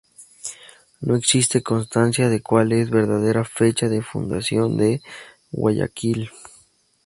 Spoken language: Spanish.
No existe constancia de cuál es la verdadera fecha de fundación de Guayaquil.